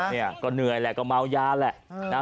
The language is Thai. เนี่ยก็เหนื่อยแหละก็เมายาแหละนะ